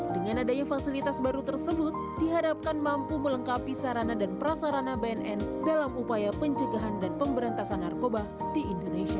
dengan adanya fasilitas baru tersebut diharapkan mampu melengkapi sarana dan prasarana bnn dalam upaya pencegahan dan pemberantasan narkoba di indonesia